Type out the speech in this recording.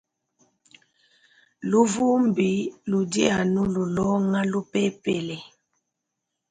Luvumbi ludi anu lulonga lupepele.